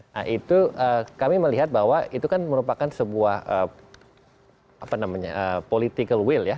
nah itu kami melihat bahwa itu kan merupakan sebuah political will ya